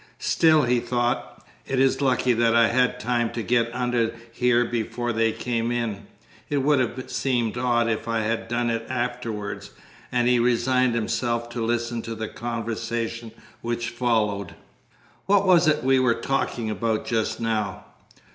"Still," he thought, "it is lucky that I had time to get under here before they came in; it would have seemed odd if I had done it afterwards." And he resigned himself to listen to the conversation which followed. "What was it we were talking about just now?"